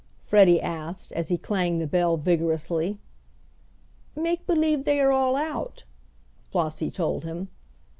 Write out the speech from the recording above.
Freddie asked, as he clanged the bell vigorously. "Make b'lieve they are all out," Flossie told him.